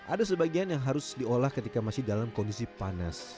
ada sebagian yang harus diolah ketika masih dalam kondisi panas